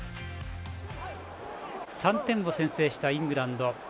３点を先制したイングランド。